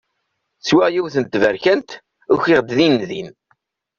Swiɣ yiwet n tberkant, ukiɣ-d din din.